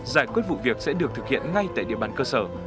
giải quyết vụ việc sẽ được thực hiện ngay tại địa bàn cơ sở